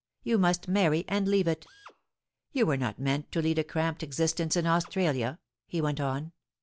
You must marry and leave it You were not meant to lead a cramped existence in Australia,* he went on.